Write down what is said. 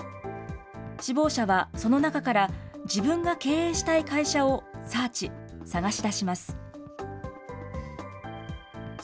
志望者はその中から、自分が経営したい会社をサーチ、探し出します。